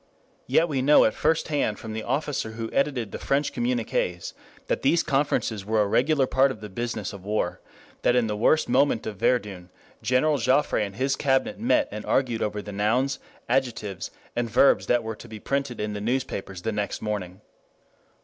Yet we know at first hand from the officer who edited the French communiqués that these conferences were a regular part of the business of war; that in the worst moment of Verdun, General Joffre and his cabinet met and argued over the nouns, adjectives, and verbs that were to be printed in the newspapers the next morning.